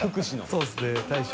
そうですね大将。